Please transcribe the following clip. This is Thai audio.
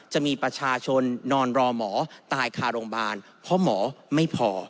จะมีประชาชนนอนรอหมอตายคาโรงพยาบาลเพราะหมอไม่พอ